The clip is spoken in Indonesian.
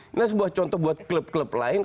ini sebuah contoh buat klub klub lain